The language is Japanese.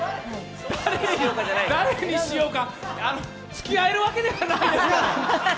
誰にしようか、つきあえるわけではないですから。